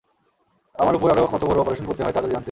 আমার উপর আরও কত বড় অপারেশন করতে হয় তা যদি জানতে।